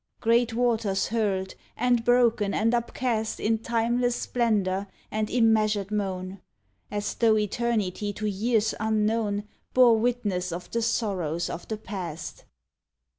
— Great waters hurled and broken and upcast In timeless splendour and immeasured moan. As tho' Eternity to years unknown Bore witness of the sorrows of the Past.